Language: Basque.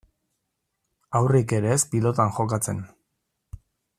Haurrik ere ez pilotan jokatzen.